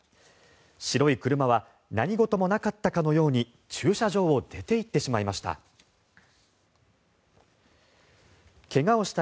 白い車は何事もなかったかのように駐車場を出ていってしまいました。